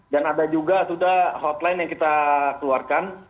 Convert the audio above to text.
dan ada juga sudah hotline yang kita keluarkan